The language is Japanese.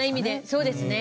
そうですね。